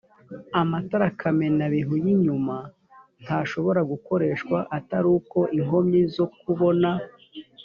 amatara kamenabihu y inyuma ntashobora gukoreshwa atari uko inkomyi zo kubona